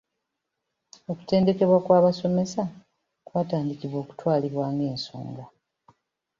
Okutendekebwa kw’abasomesa kwatandika okutwalibwa ng’ensonga.